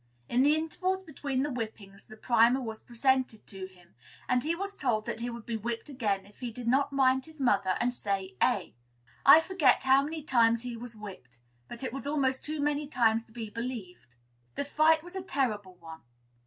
In the intervals between the whippings the primer was presented to him, and he was told that he would be whipped again if he did not mind his mother and say A. I forget how many times he was whipped; but it was almost too many times to be believed. The fight was a terrible one.